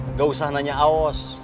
nggak usah nanya aus